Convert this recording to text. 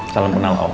salam kenal om